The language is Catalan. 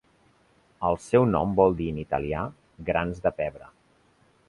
El seu nom vol dir en italià "grans de pebre".